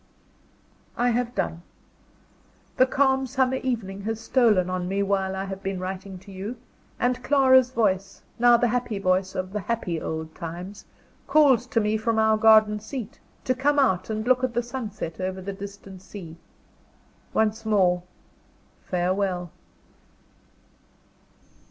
I have done. The calm summer evening has stolen on me while I have been writing to you; and Clara's voice now the happy voice of the happy old times calls to me from our garden seat to come out and look at the sunset over the distant sea. Once more farewell!